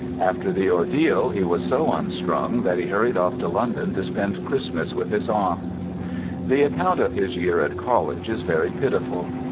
After the ordeal he was so unstrung that he hurried off to London to spend Christmas with his aunt. The account of his year at college is very pitiful.